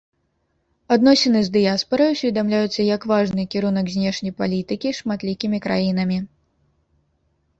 Адносіны з дыяспарай усведамляюцца як важны кірунак знешняй палітыкі шматлікімі краінамі.